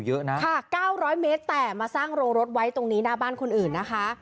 เยอะนะค่ะ๙๐๐เมตรแต่มาสร้างโรงรถไว้ตรงนี้หน้าบ้านคนอื่นนะคะ